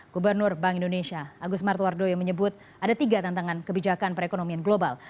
gubernur bank indonesia agus martowardoyo menyebut ada tiga tantangan kebijakan perekonomian global